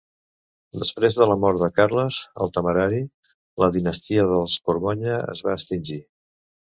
Després de la mort de Carles el Temerari, la dinastia dels Borgonya es va extingir.